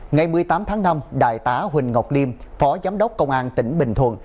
ngày một mươi tám tháng năm đại tá huỳnh ngọc liêm phó giám đốc công an tỉnh bình thuận